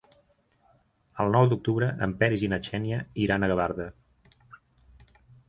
El nou d'octubre en Peris i na Xènia iran a Gavarda.